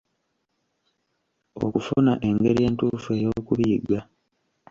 Okufuna engeri entuufu ey'okubiyiga .